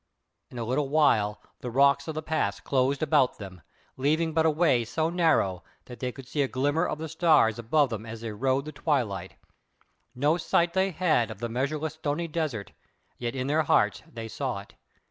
In a little while the rocks of the pass closed about them, leaving but a way so narrow that they could see a glimmer of the stars above them as they rode the twilight; no sight they had of the measureless stony desert, yet in their hearts they saw it.